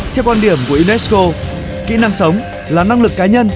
theo quan điểm của unesco kỹ năng sống là năng lực cá nhân